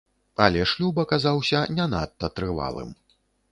Але шлюб аказаўся не надта трывалым.